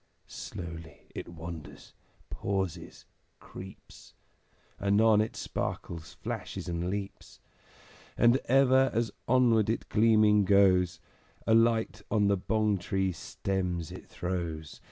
Slowly it wanders, pauses, creeps, Anon it sparkles, flashes, and leaps; And ever as onward it gleaming goes A light on the Bong tree stems it throws.